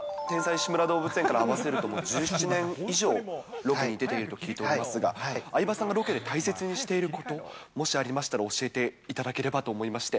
志村どうぶつ園から合わせるともう１７年以上、ロケに出ていると聞いていますが、相葉さんがロケで大切にしていること、もしありましたら教えていただければと思いまして。